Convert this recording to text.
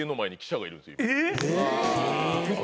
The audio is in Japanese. え